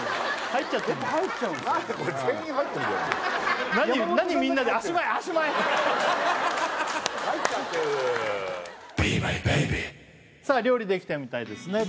入っちゃってるさあ料理できたみたいですね